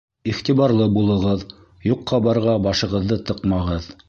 Иғтибарлы булығыҙ, юҡҡа-барға башығыҙҙы тыҡмағыҙ.